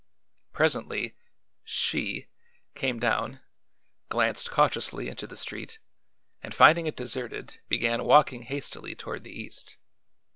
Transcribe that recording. Presently she came down, glanced cautiously into the street, and finding it deserted began walking hastily toward the east.